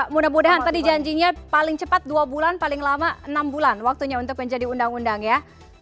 mudah mudahan tadi janjinya paling cepat dua bulan paling lama enam bulan waktunya untuk menjadi undang undang ya